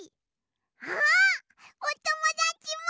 あっおともだちも！